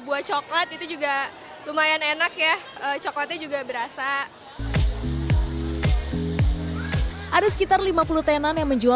buah coklat itu juga lumayan enak ya coklatnya juga berasa ada sekitar lima puluh tenan yang menjual